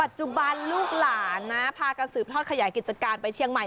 จุบันลูกหลานนะพากันสืบทอดขยายกิจการไปเชียงใหม่